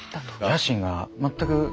野心が全く。